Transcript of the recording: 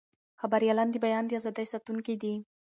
خبریالان د بیان د ازادۍ ساتونکي دي.